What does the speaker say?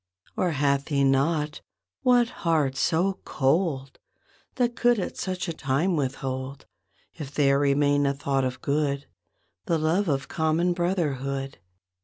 Or hath he not, what heart so cold That could at such a time withhold— If there remaineth aught of good— The love of common brotherhood?